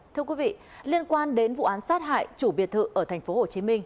thưa quý vị liên quan đến vụ án sát hại chủ biệt thự ở tp hcm